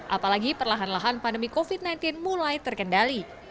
apalagi perlahan lahan pandemi covid sembilan belas mulai terkendali